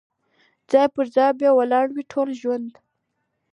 ځاي پر ځای به وي ولاړي ټولي ژرندي